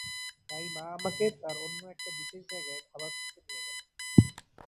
তাই মা আমাকে তার অন্য একটা বিশেষ জায়গায় খাবার খুঁজতে নিয়ে গেল।